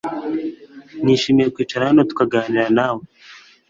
Nishimiye kwicara hano tukaganira nawe .